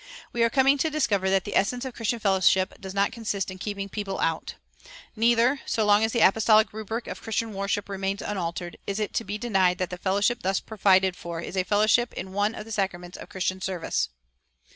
We are coming to discover that the essence of Christian fellowship does not consist in keeping people out. Neither, so long as the apostolic rubric of Christian worship[410:1] remains unaltered, is it to be denied that the fellowship thus provided for is a fellowship in one of the sacraments of Christian service.